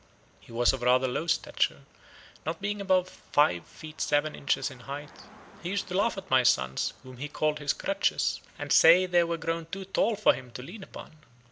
He was of rather low stature, not being above five feet seven inches in height; he used to laugh at my sons, whom he called his crutches, and say they were grown too tall for him to lean upon.